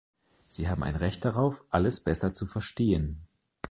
Sie haben ein Recht darauf, alles besser zu verstehen.